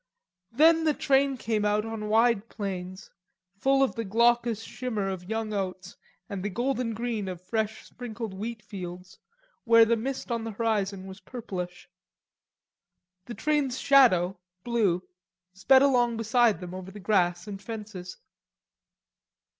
Then the train came out on wide plains, full of the glaucous shimmer of young oats and the golden green of fresh sprinkled wheat fields, where the mist on the horizon was purplish. The train's shadow, blue, sped along beside them over the grass and fences.